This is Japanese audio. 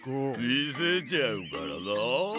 みせちゃうからなあ。